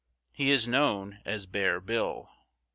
He is known as Bear Bill.